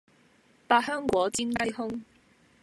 百香果煎雞胸